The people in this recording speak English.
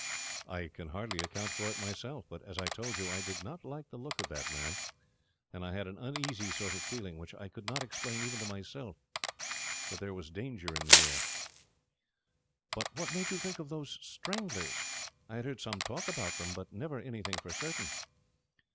"I can hardly account for it myself, but, as I told you, I did not like the look of that man, and I had an uneasy sort of feeling, which I could not explain even to myself, that there was danger in the air." "But what made you think of these Stranglers? I had heard some talk about them, but never anything for certain."